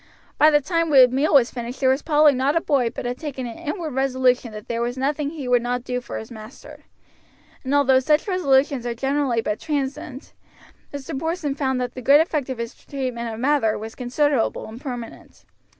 By the time the meal was finished there was probably not a boy but had taken an inward resolution that there was nothing he would not do for his master, and although such resolutions are generally but transient, Mr. Porson found that the good effect of his treatment of Mather was considerable and permanent.